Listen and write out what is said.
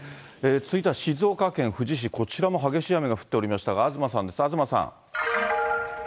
続いては静岡県富士市、こちらも激しい雨が降っておりましたが東さんです、東さん。